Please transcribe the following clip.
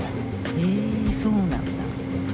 へえそうなんだ。